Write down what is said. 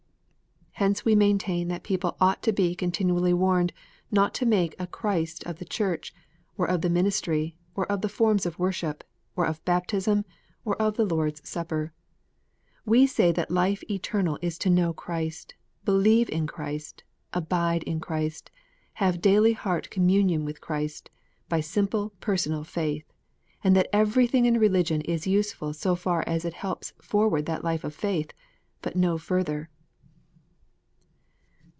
Hence we maintain that people ought to be continually warned not to make a Christ of the Church, or of the ministry, or of the forms of worship, or of baptism, or of the Lord s Supper. We say that life eternal is to know Christ, believe in Christ, abide in Christ, have daily heart communion with Christ, by simple personal faith, and that everything in religion is useful so far as it helps forward that life of faith, but no further.